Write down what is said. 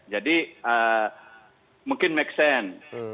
jadi mungkin make sense